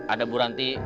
ada bu ranti